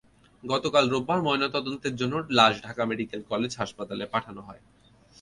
গতকাল রোববার ময়নাতদন্তের জন্য লাশ ঢাকা মেডিকেল কলেজ হাসপাতালে পাঠানো হয়।